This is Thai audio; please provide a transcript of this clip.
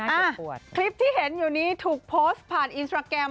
ปวดคลิปที่เห็นอยู่นี้ถูกโพสต์ผ่านอินสตราแกรม